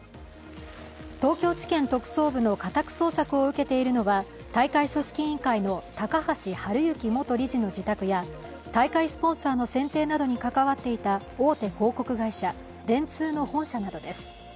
東京地検特捜部の家宅捜索を受けているのは大会組織委員会の高橋治之元理事の自宅や大会スポンサーの選定などに関わっていた大手広告会社・電通の本社などです。